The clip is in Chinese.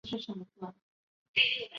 后又到欧洲进修。